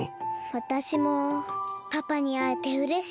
わたしもパパにあえてうれしい。